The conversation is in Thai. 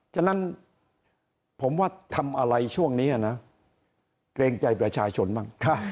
ฉะนั้นผมว่าทำอะไรช่วงนี้นะเกรงใจประชาชนบ้าง